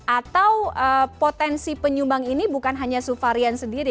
atau potensi penyumbang ini bukan hanya suvarian sendiri